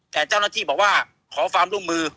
แต่เจ้าหน้าที่บอกว่าขอความร่วมมือ